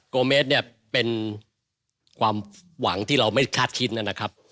กิโลเมตรเนี่ยเป็นความหวังที่เราไม่คาดคิดนะครับ